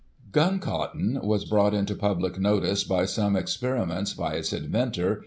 Gun cotton was brought into public notice by some experi ments by its inventor.